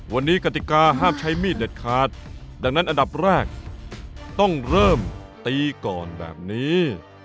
วันนี้กติกาห้ามใช้มีดเด็ดขาดดังนั้นอันดับแรกต้องเริ่มตีก่อนแบบนี้